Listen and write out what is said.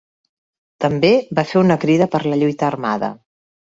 També va fer una crida per la lluita armada.